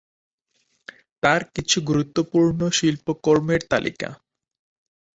তার কিছু গুরুত্বপূর্ণ শিল্পকর্মের তালিকা